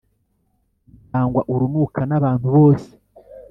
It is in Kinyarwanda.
byangwa urunuka n'abantu bose